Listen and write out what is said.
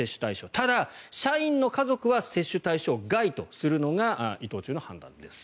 ただ、社員の家族は接種対象外とするのが伊藤忠の判断です。